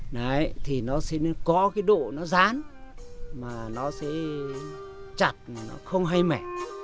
đấy thì nó sẽ có cái độ nó dán mà nó sẽ chặt không hay mẻ